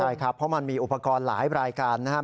ใช่ครับเพราะมันมีอุปกรณ์หลายรายการนะครับ